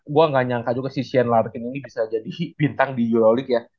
gue gak nyangka juga si shan larkin ini bisa jadi bintang di yulolic ya